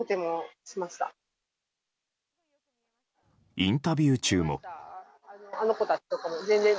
インタビュー中も。